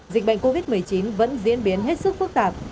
dịch bệnh covid một mươi chín vẫn diễn biến hết sức phức tạp